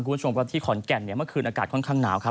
คุณผู้ชมก็ที่ขอนแก่นเนี่ยเมื่อคืนอากาศค่อนข้างหนาวครับ